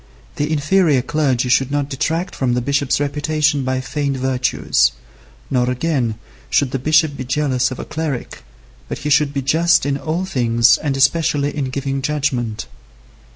The inferior clergy should not detract from the bishop's reputation by feigned virtues; nor again, should the bishop be jealous of a cleric, but he should be just in all things and especially in giving judgment.